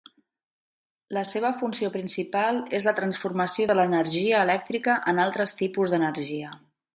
La seva funció principal és la transformació de l'energia elèctrica en altres tipus d'energia.